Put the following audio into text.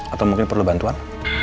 atau mungkin perlu bantuan